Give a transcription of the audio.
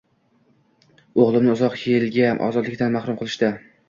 O`g`limni uzoq yilga ozodlikdan mahrum qilishdi